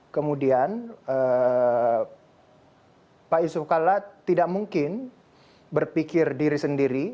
kemudian pak yusuf kalla tidak mungkin berpikir diri sendiri